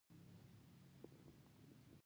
دوی باید د اصلي هدف په توګه وګڼل شي.